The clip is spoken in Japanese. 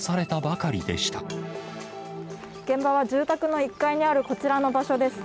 現場は住宅の１階にあるこちらの場所です。